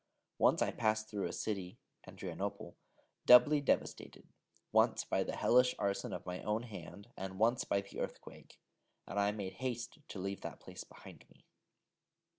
Once I passed through a city (Adrianople) doubly devastated, once by the hellish arson of my own hand, and once by the earthquake: and I made haste to leave that place behind me.